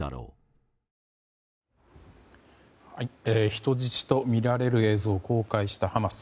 人質とみられる映像を公開したハマス。